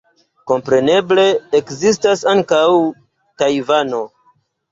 Kompreneble, ekzistas ankaŭ Tajvano.